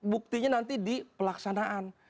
buktinya nanti di pelaksanaan